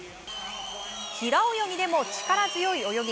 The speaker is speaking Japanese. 平泳ぎでも力強い泳ぎ。